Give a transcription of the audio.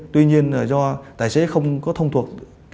tuy nhiên do tài xế không có thông thuộc